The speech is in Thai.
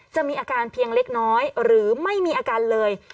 จะมีอาการเพียงเล็กน้อยหรือไม่มีอาการเลย